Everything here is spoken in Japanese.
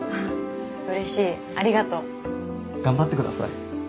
うれしいありがとう頑張ってください